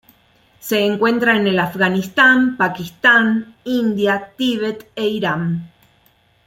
Se encuentra en el Afganistán, Pakistán, India, Tíbet e Irán.